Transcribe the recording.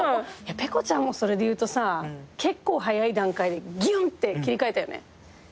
ｐｅｃｏちゃんもそれで言うとさ結構早い段階でギュンって切り替えたよね。